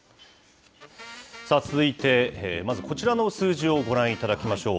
続いて、まずこちらの数字をご覧いただきましょう。